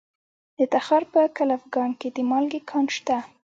د تخار په کلفګان کې د مالګې کان شته.